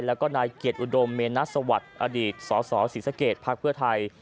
แล้วก็นายเกียรติอุดมเมนัสสวัสดิ์อดีตสศศิษย์เกียรติภักดิ์เพื่อไทย